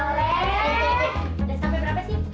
mau dong ikut mainan